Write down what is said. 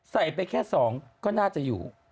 ใส่ไปแค่๒ก็น่าจะอยู่